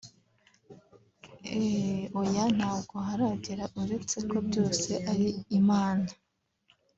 Ehhh oyaa ntabwo haragera uretse ko byose ari Imana